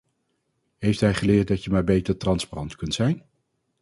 Heeft hij geleerd dat je maar beter transparant kunt zijn?